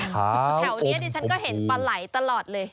แถวนี้ดิฉันก็เห็นปลาไหลตลอดเลย